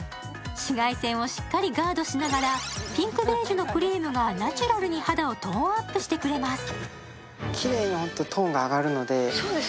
紫外線をしっかりガードしながら、ピンクベージュのクリームがナチュラルに肌をトーンアップしてくれます。